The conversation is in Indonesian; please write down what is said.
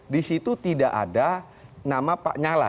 di situ tidak ada nama pak nyala